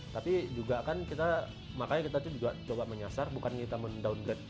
tapi juga kan kita makanya kita juga coba menyasar bukan kita mendowngrade